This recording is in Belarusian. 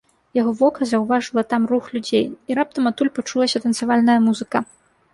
Яго вока заўважыла там рух людзей, і раптам адтуль пачулася танцавальная музыка.